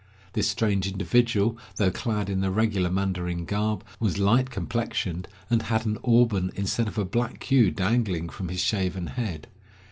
This strange individual, although clad in the regular mandarin garb, was light complexioned, and had an auburn instead of a black queue dangling from his shaven head.